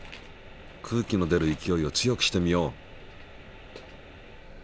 空気の出る勢いを強くしてみよう。